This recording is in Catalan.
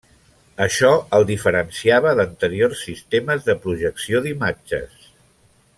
Això el diferenciava d'anteriors sistemes de projecció d'imatges.